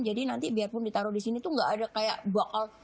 jadi nanti biarpun ditaruh di sini tuh nggak ada kayak bau